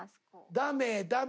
ダメダメ。